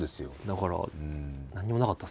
だから何もなかったですね。